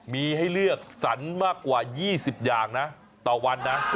มีให้เลือกสรรมากกว่า๒๐อย่างนะต่อวันนะ